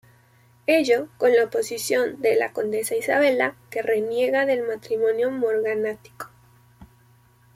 Ello con la oposición de la condesa Isabella, que reniega del matrimonio morganático.